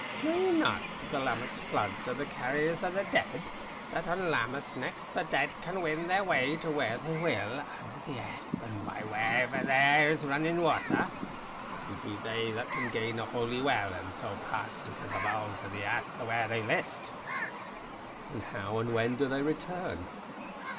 "Knew ye not, that the Lammas Floods are the carriers o' the Dead; that on Lammas nicht the Dead can win their way to where they will, under the airth by wherever there is rinnin' watter. Happy be they that can gain a Holy Well, an' so pass into the bowels o' the airth to where they list." "And how and when do they return?"